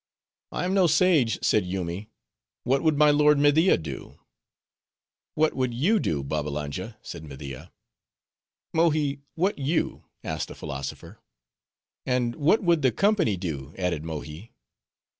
"I am no sage," said Yoomy, "what would my lord Media do?" "What would you do, Babbalanja," said Media. "Mohi, what you?" asked the philosopher. "And what would the company do?" added Mohi.